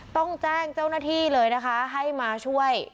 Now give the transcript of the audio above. ต้องแจ้งเจ้าหน้าที่เลยนะคะให้มาช่วย